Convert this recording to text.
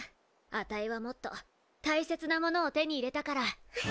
あたいはもっと大切なものを手に入れたから。